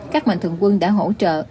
các mạnh thượng quân đã hỗ trợ